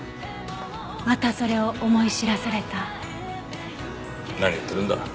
またそれを思い知らされた。